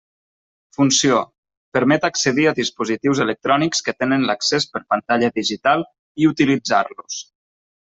Funció: permet accedir a dispositius electrònics que tenen l'accés per pantalla digital i utilitzar-los.